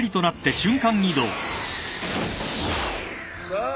さあ